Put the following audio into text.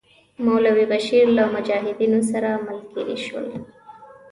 مولوی بشیر له مجاهدینو سره ملګري شول.